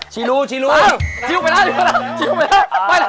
ชิวไปแล้วจริง